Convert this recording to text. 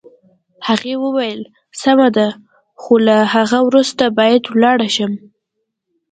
هغې وویل: سمه ده، خو له هغه وروسته باید ولاړه شم.